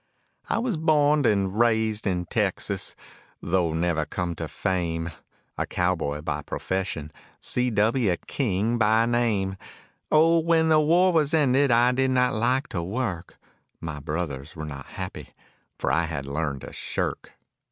I was borned and raised in Texas, though never come to fame, A cowboy by profession, C.W. King, by name. Oh, when the war was ended I did not like to work, My brothers were not happy, for I had learned to shirk.